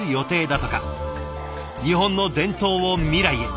日本の伝統を未来へ。